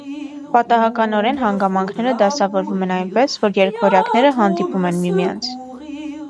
Պատահականորեն հանգամանքները դասավորվում են այնպես, որ «երկվորյակները» հանդիպում են միմյանց։